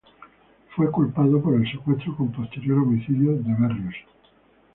Fue culpado por el secuestro con posterior homicidio de Berríos.